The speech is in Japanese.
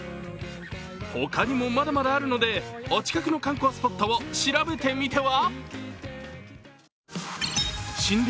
他にもまだまだあるのでお近くの観光スポットを調べてみては？